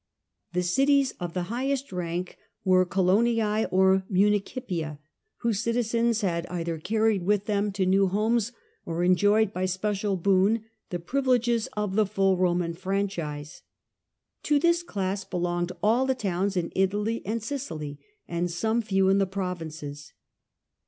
The cities of the highest rank were ColonicB of Mun/cip/a, whose citizens had either carried with them to new homes or enjoyed by special boon the privi leges of the full Roman franchise. To this class belonged all the towns in Italy and Sicily and some few in the provinces.